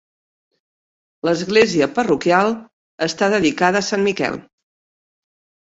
L'església parroquial està dedicada a Sant Miquel.